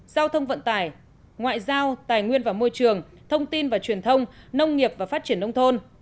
giao thông vận tải ngoại giao tài nguyên và môi trường thông tin và truyền thông nông nghiệp và phát triển nông thôn